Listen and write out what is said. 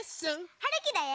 はるきだよ！